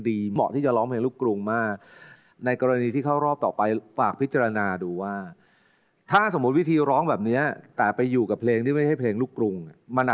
ซึ่งคุณเพราะว่าเป็นยอดบูชาของคุณ